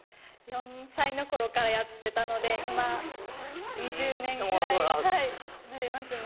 ４歳のころからやってたので今２０年くらいになりますね。